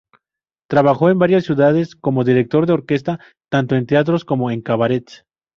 Trabajó en varias ciudades como director de orquesta, tanto en teatros como en cabarets.